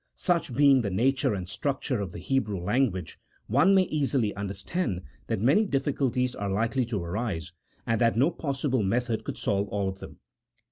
Such being the nature and structure of the Hebrew lan guage, one may easily understand that many difficulties are likely to arise, and that no possible method could solve all of them.